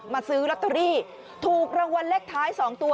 ซื้อลอตเตอรี่ถูกรางวัลเลขท้าย๒ตัว